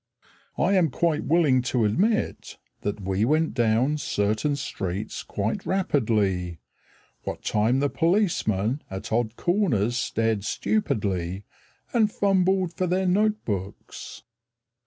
I am willing to admit That we went down certain streets quite rapidly, What time the policemen at odd corners stared stupidly, And fumbled for their note books.